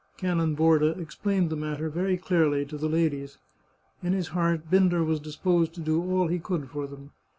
Canon Borda explained the matter very clearly to the ladies. In his heart Binder was disposed to do all he could for them.